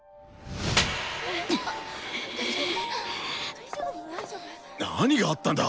大丈夫？何があったんだ？